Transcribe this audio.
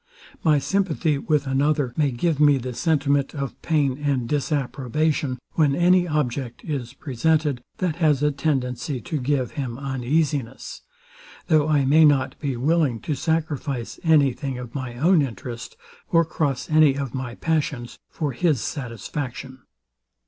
My sympathy with another may give me the sentiment of pain and disapprobation, when any object is presented, that has a tendency to give him uneasiness; though I may not be willing to sacrifice any thing of my own interest, or cross any of my passions, for his satisfaction.